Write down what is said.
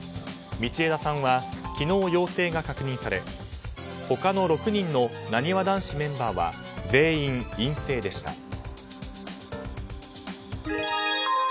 道枝さんは昨日、陽性が確認され他の６人のなにわ男子メンバーは全員陰性でした。